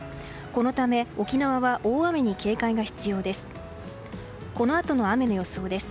このため、沖縄は大雨に警戒が必要です。